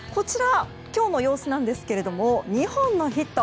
今日の様子ですが２本のヒット。